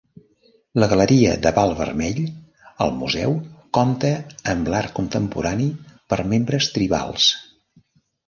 La Galeria de Pal Vermell al museu compta amb l'art contemporani per membres tribals.